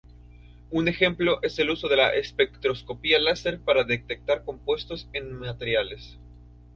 Un ejemplo es el uso de la espectroscopia láser para detectar compuestos en materiales.